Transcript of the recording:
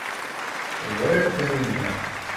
Ẓriɣ Taninna.